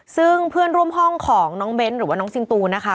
ซึ่งเพื่อนร่วมห้องของน้องเบ้นหรือว่าน้องซิงตูนะคะ